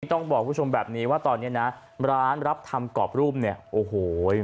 ต้องบอกคุณผู้ชมแบบนี้ว่าตอนนี้นะร้านรับทำกรอบรูปเนี่ยโอ้โห